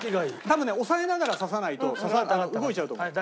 多分ね押さえながらささないと動いちゃうと思う。